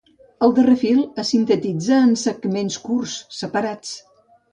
El darrer fil es sintetitza en segments curts, separats.